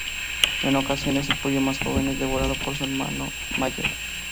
En ocasiones el pollo más joven es devorado por su hermano mayor.